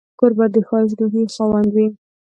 کوربه د ښایسته روحيې خاوند وي.